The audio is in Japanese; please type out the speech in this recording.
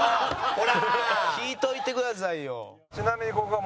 聞いておいてくださいよ。